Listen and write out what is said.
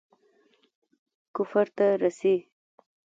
کفر ته رسي.